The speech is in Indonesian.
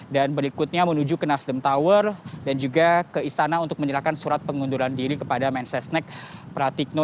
dan berikutnya menuju ke nasdem tower dan juga ke istana untuk menyerahkan surat pengunduran diri kepada mensesnek pratikno